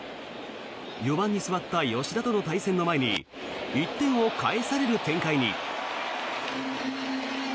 ４番に座った吉田との対戦の前に１点を返される展開に。